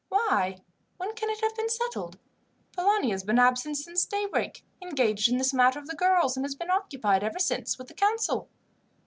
Why, when can it have been settled? Polani has been absent since daybreak, engaged in this matter of the girls, and has been occupied ever since with the council."